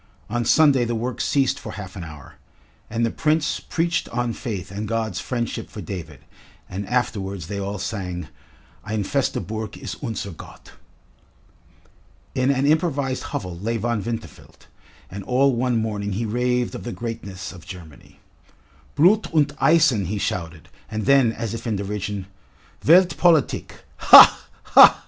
On Sunday the work ceased for half an hour, and the Prince preached on faith and God's friendship for David, and afterwards they all sang: "Ein feste Burg ist unser Gott." In an improvised hovel lay Von Winterfeld, and all one morning he raved of the greatness of Germany. "Blut und Eisen!" he shouted, and then, as if in derision, "Welt Politik ha, ha!"